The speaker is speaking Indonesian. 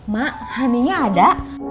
mak aninya ada